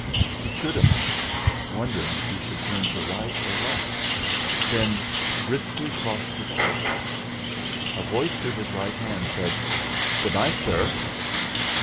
He stood a moment, wondering if he should turn to right or left, then briskly crossed the street. A voice to his right hand said: "Good night, sir."